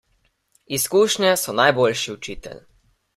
Izkušnje so najboljši učitelj.